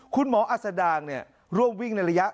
คุณหมออัศดางร่วมวิ่งในระยะ